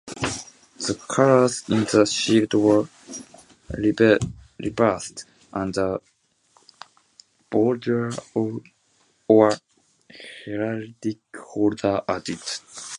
The colours in the shield were reversed, and a "bordure" or heraldic border added.